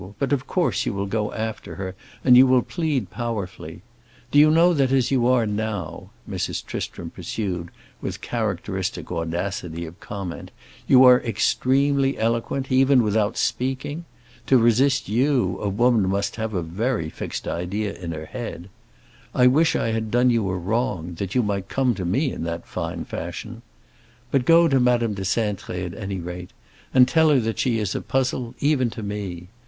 But of course you will go after her and you will plead powerfully. Do you know that as you are now," Mrs. Tristram pursued, with characteristic audacity of comment, "you are extremely eloquent, even without speaking? To resist you a woman must have a very fixed idea in her head. I wish I had done you a wrong, that you might come to me in that fine fashion! But go to Madame de Cintré at any rate, and tell her that she is a puzzle even to me.